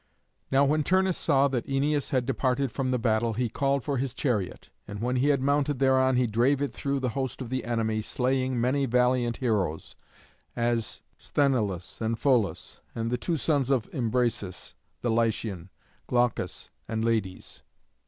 Now when Turnus saw that Æneas had departed from the battle he called for his chariot. And when he had mounted thereon he drave it through the host of the enemy, slaying many valiant heroes, as Sthenelus and Pholus, and the two sons of Imbrasus the Lycian, Glaucus and Lades.